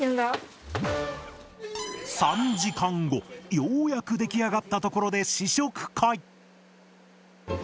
ようやく出来上がったところで試食会！